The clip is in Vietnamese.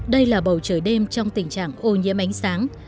đây là bầu trời đêm trong tình trạng ô nhiễm ánh sáng